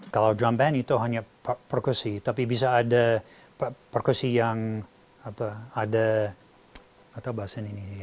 kalau drum band itu hanya perkusih